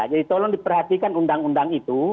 jadi tolong diperhatikan undang undang itu